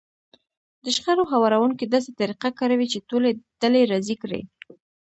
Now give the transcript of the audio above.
د شخړو هواروونکی داسې طريقه کاروي چې ټولې ډلې راضي کړي.